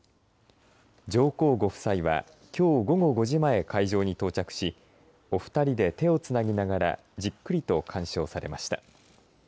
上皇ご夫妻は、きょう午後５時前会場に到着しお二人で、手をつなぎながらじっくりと鑑賞されました。